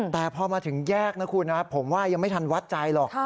แต่พอมาถึงแยกนะคุณนะผมว่ายังไม่ทันวัดใจหรอก